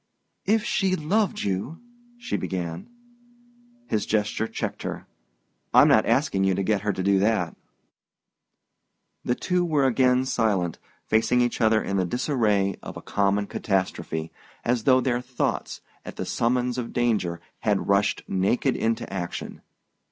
"If she loved you " she began. His gesture checked her. "I'm not asking you to get her to do that." The two were again silent, facing each other in the disarray of a common catastrophe as though their thoughts, at the summons of danger, had rushed naked into action.